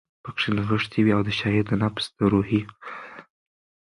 پکښې نغښتی وی، او د شاعر د نفس د روحي